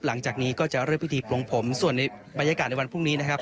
หลังจากนี้ก็จะเริ่มพิธีปลงผมส่วนในบรรยากาศในวันพรุ่งนี้นะครับ